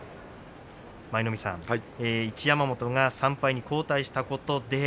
舞の海さん、一山本が３敗に後退しました。